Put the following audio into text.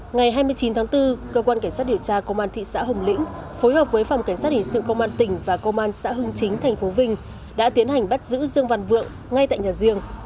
ngày hai mươi chín tháng bốn cơ quan cảnh sát điều tra công an thị xã hồng lĩnh phối hợp với phòng cảnh sát hình sự công an tỉnh và công an xã hưng chính tp vinh đã tiến hành bắt giữ dương văn vượng ngay tại nhà riêng